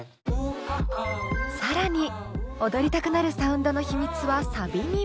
更に踊りたくなるサウンドの秘密はサビにも。